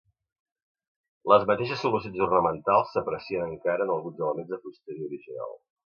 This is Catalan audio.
Les mateixes solucions ornamentals s'aprecia encara en alguns elements de fusteria original.